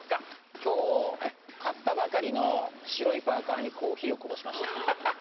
きょう、買ったばかりの白いパーカにコーヒーをこぼしました。